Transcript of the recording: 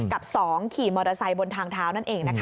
กับ๒ขี่มอเตอร์ไซค์บนทางเท้านั่นเองนะคะ